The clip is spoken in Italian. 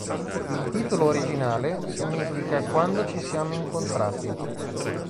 Il titolo originale significa "Quando ci siamo incontrati".